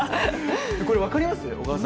これ、分かります？